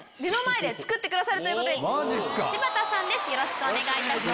マジっすか⁉よろしくお願いいたします。